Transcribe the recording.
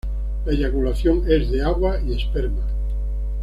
La eyaculación es de agua y esperma.